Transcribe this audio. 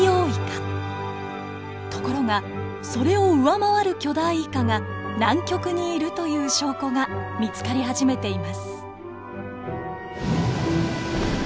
ところがそれを上回る巨大イカが南極にいるという証拠が見つかり始めています。